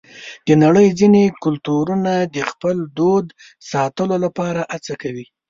د نړۍ ځینې کلتورونه د خپل دود ساتلو لپاره هڅه کوي.